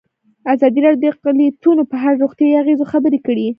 ازادي راډیو د اقلیتونه په اړه د روغتیایي اغېزو خبره کړې.